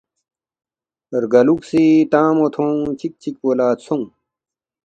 رگالوکھسی تانگمو تھونگ چک چکپو لا ژھونگ